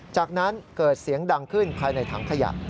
จากนั้นเกิดเสียงดังขึ้นภายในถังขยะ